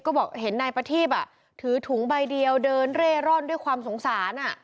ก็บอกเห็นนายประทีบถือถุงใบเดียวเดินเร่ร่อนด้วยความสงสาร